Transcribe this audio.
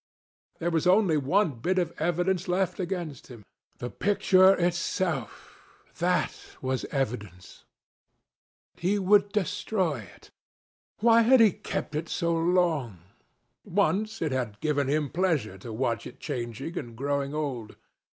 There was only one bit of evidence left against him. The picture itself—that was evidence. He would destroy it. Why had he kept it so long? Once it had given him pleasure to watch it changing and growing old.